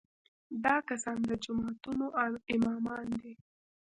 دا کسان د جوماتونو امامان دي.